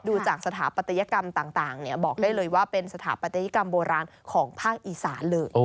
ดูจากสถาปัตยกรรมต่างบอกได้เลยว่าเป็นสถาปัตยกรรมโบราณของภาคอีสานเลย